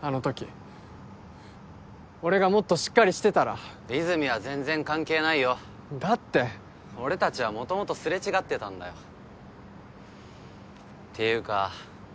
あのとき俺がもっとしっかりしてたら和泉は全然関係ないよだって俺たちは元々すれ違ってたんだよっていうか